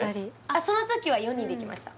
その時は４人で行きました